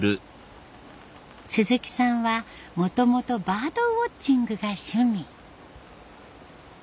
鈴木さんはもともとバードウォッチングが趣味。